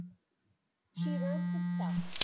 She wrote the stuff.